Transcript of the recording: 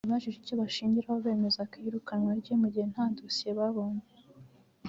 yabajije icyo bashingiraho bemeza ko iyirukanwa rye mu gihe nta dosiye babonye